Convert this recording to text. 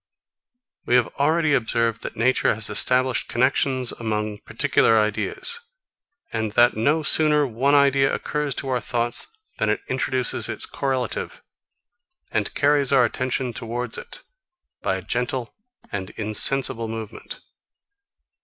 41. We have already observed that nature has established connexions among particular ideas, and that no sooner one idea occurs to our thoughts than it introduces its correlative, and carries our attention towards it, by a gentle and insensible movement.